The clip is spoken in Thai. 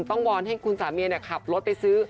ต้องวอนให้คุณสามีเนี่ยเนี่ยขับรถไปซื้อ